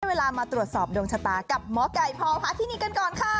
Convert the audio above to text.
เวลามาตรวจสอบดวงชะตากับหมอไก่พพาธินีกันก่อนค่ะ